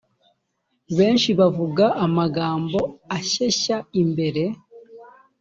benshi bavuga amagambo ashyeshya imbere